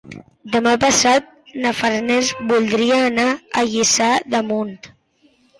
Demà passat na Farners voldria anar a Lliçà d'Amunt.